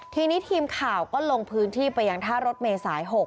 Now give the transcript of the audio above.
ทีนี้ทีมข่าวก็ลงพื้นที่ไปยังท่ารถเมษาย๖